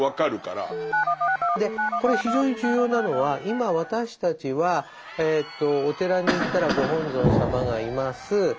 でこれ非常に重要なのは今私たちはお寺に行ったらご本尊様がいます。